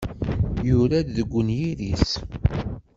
Yura deg unyir-is.